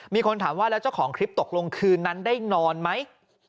มีคนถามว่าแล้วเจ้าของคลิปตกลงคืนนั้นได้นอนไหม